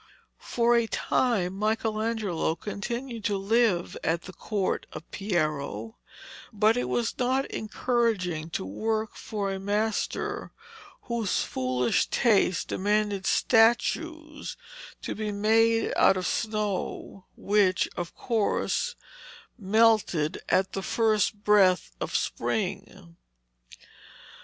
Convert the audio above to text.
For a time Michelangelo continued to live at the court of Piero, but it was not encouraging to work for a master whose foolish taste demanded statues to be made out of snow, which, of course, melted at the first breath of spring.